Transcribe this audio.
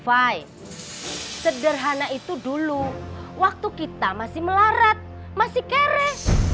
fi sederhana itu dulu waktu kita masih melarat masih keres